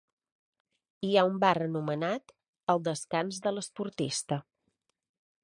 Hi ha un bar anomenat "El descans de l'esportista".